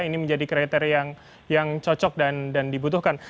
ini menjadi kriteria yang cocok dan dibutuhkan